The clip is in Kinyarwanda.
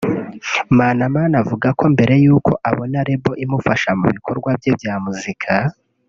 Manamana avuga ko mbere y’uko abona Label imufasha mu bikorwa bye bya muzika